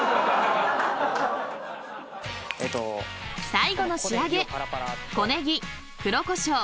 ［最後の仕上げ］